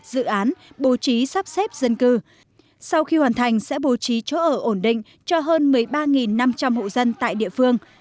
dự án bố trí sắp xếp dân cư sau khi hoàn thành sẽ bố trí chỗ ở ổn định cho hơn một mươi ba năm trăm linh hộ dân tại địa phương